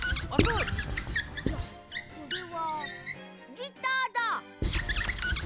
いやそれはギターだ！